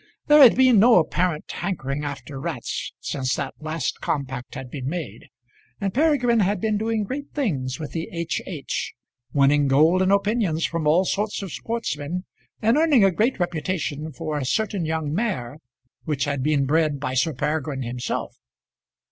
There had been no apparent hankering after rats since that last compact had been made, and Peregrine had been doing great things with the H. H.; winning golden opinions from all sorts of sportsmen, and earning a great reputation for a certain young mare which had been bred by Sir Peregrine himself.